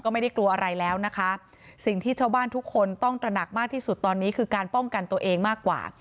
ไม่ได้กลัวอะไรแล้วนะคะสิ่งที่ชาวบ้านทุกคนต้องตระหนักมากที่สุดตอนนี้คือการป้องกันตัวเองมากกว่า